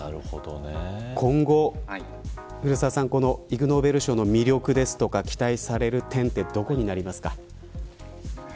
今後イグ・ノーベル賞の魅力や期待される点はどこになりますか。